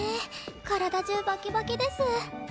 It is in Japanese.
体中バキバキです。